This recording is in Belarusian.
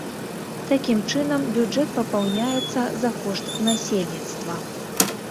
Такім чынам, бюджэт папаўняецца за кошт насельніцтва.